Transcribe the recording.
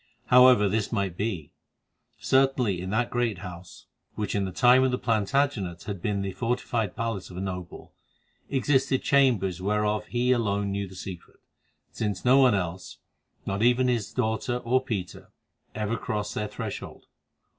However this might be, certainly in that great house, which in the time of the Plantagenets had been the fortified palace of a noble, existed chambers whereof he alone knew the secret, since no one else, not even his daughter or Peter, ever crossed their threshold.